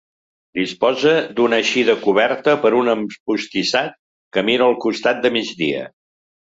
Disposa d'una eixida coberta per un empostissat que mira al costat de migdia.